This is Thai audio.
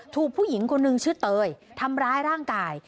ถูกผู้หญิงคนหนึ่งชื่อเตยทำร้ายร่างกาย